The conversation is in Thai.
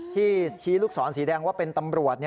ที่ชี้ลูกศรสีแดงว่าเป็นตำรวจ